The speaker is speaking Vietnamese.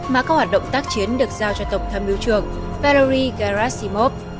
mà các hoạt động tác chiến được giao cho tổng thâm biểu trưởng valery gerasimov